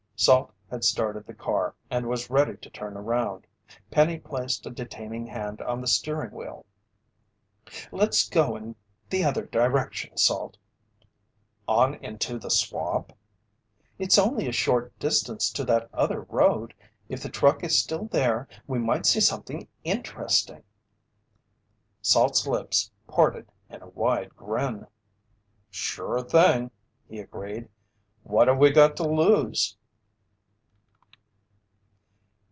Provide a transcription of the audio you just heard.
Salt had started the car and was ready to turn around. Penny placed a detaining hand on the steering wheel. "Let's go the other direction, Salt!" "On into the swamp?" "It's only a short distance to that other road. If the truck is still there, we might see something interesting." Salt's lips parted in a wide grin. "Sure thing," he agreed. "What have we got to lose?"